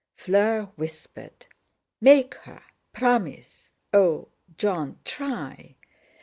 Fleur's whispered, "Make her! Promise! Oh! Jon, try!"